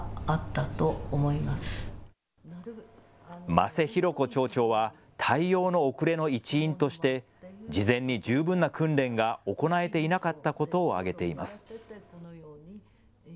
真瀬宏子町長は対応の遅れの一因として事前に十分な訓練が行えていなかったことを挙げています。